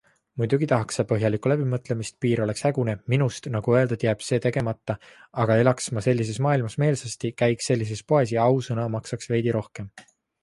Muidugi tahaks see põhjalikku läbimõtlemist, piir oleks hägune, minust, nagu öeldud, jääb see tegemata, aga elaks ma sellises maailmas meelsasti, käiks sellises poes ja, ausõna, maksaks veidi rohkem.